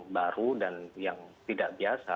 baru dan yang tidak biasa